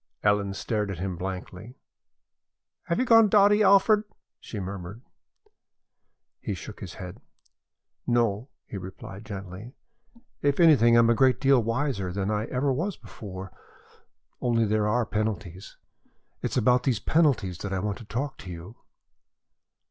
Ellen stared at him blankly. "Have you gone dotty, Alfred?" she murmured. He shook his head. "No," he replied gently. "If anything, I am a great deal wiser than ever I was before. Only there are penalties. It is about these penalties that I want to talk to you."